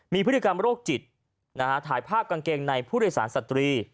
มีพฤติกรรมโรคจิตถ่ายภาพกางเกงในผู้โดยสารสตรี